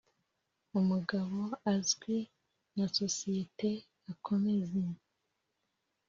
umugabo azwi na sosiyete akomeza.